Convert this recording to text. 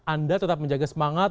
anda tetap menjaga semangat